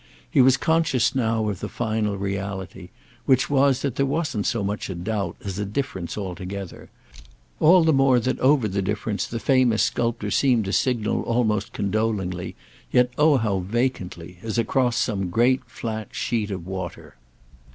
He was conscious now of the final reality, which was that there wasn't so much a doubt as a difference altogether; all the more that over the difference the famous sculptor seemed to signal almost condolingly, yet oh how vacantly! as across some great flat sheet of water.